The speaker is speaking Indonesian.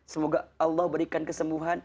semoga allah berikan kesembuhan